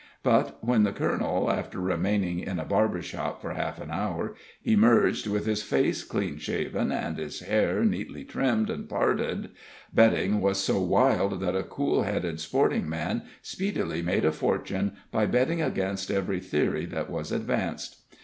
But when the colonel, after remaining in a barber shop for half an hour, emerged with his face clean shaven and his hair neatly trimmed and parted, betting was so wild that a cool headed sporting man speedily made a fortune by betting against every theory that was advanced.